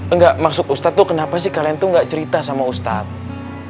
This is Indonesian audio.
enggak maksud ustadz tuh kenapa sih kalian tuh gak cerita sama ustadz